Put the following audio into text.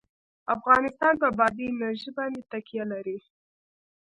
افغانستان په بادي انرژي باندې تکیه لري.